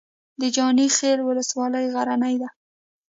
د جاني خیل ولسوالۍ غرنۍ ده